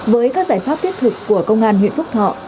với các giải pháp thiết thực của công an huyện phúc thọ